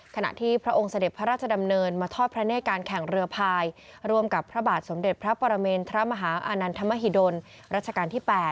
ขณะที่พระองค์เสด็จพระราชดำเนินมาทอดพระเนธการแข่งเรือพายร่วมกับพระบาทสมเด็จพระปรเมนพระมหาอานันทมหิดลรัชกาลที่๘